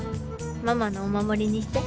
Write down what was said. ママのお守りにして。